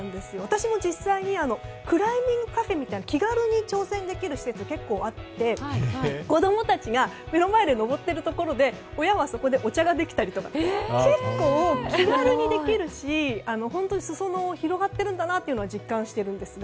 クライミングカフェという気軽に挑戦できる施設があって目の前で登っているところで親はお茶ができたりとか結構、気軽にできるし本当、裾野が広がってるんだなと実感しているんですが。